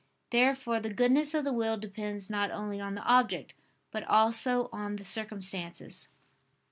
Therefore the goodness of the will depends not only on the object, but also on the circumstances.